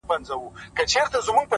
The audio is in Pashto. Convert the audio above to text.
د هغه هر وخت د ښکلا خبر په لپه کي دي!